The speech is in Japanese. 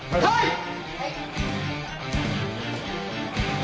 はい！